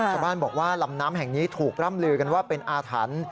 ชาวบ้านบอกว่าลำน้ำแห่งนี้ถูกร่ำลือกันว่าเป็นอาถรรพ์